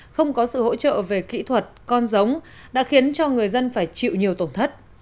không có sự hỗ trợ về kỹ thuật con giống đã khiến cho người dân phải chịu nhiều tổn thất